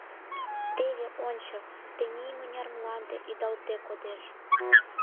Теве ончо, тений мыняр мланде ӱдалтде кодеш.